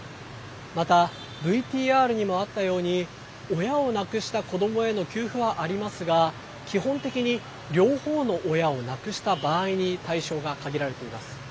またＶＴＲにもあったように親を亡くした子どもへの給付はありますが基本的に両方の親を亡くした場合に対象が限られています。